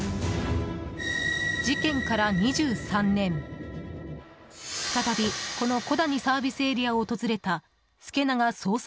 事件から２３年再び、この小谷ＳＡを訪れた助永捜査